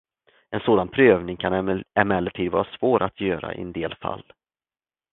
En sådan prövning kan emellertid vara svår att göra i en del fall.